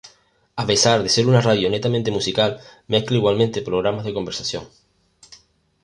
A pesar de ser una radio netamente musical, mezcla igualmente programas de conversación.